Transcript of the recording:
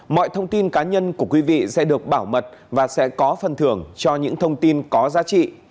mọi thông tin cá nhân của quý vị sẽ được bảo mật và sẽ có phần thưởng cho những thông tin có giá trị